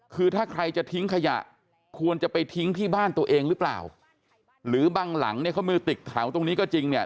คือถ้าใครจะทิ้งขยะควรจะไปทิ้งที่บ้านตัวเองหรือเปล่าหรือบางหลังเนี่ยเขามีตึกแถวตรงนี้ก็จริงเนี่ย